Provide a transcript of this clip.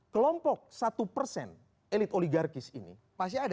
kelompok satu persen elit oligarkis ini